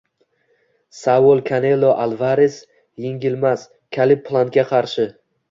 Saul Kanelo Alvares yengilmas Kaleb Plantga qarshi